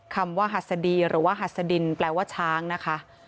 คำว่าหัสดีหรือว่าหัสดินแปลว่าช้างนะคะ